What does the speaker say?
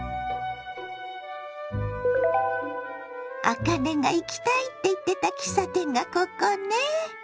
あかねが行きたいって言ってた喫茶店がここね？